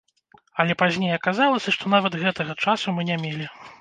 Але пазней аказалася, што нават гэтага часу мы не мелі.